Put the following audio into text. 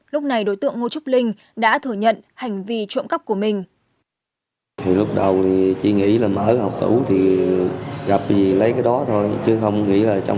lúc này đối tượng ngô trúc linh đã thừa nhận hành vi trộm cắp của mình